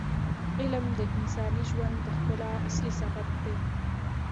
علم د انساني ژوند د ښکلا اصلي سبب دی.